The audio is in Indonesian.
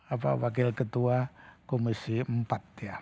apa wakil ketua komisi empat ya